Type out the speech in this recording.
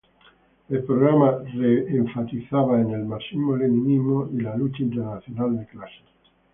El programa re-enfatizaba en el marxismo-leninismo y la lucha internacional de clases.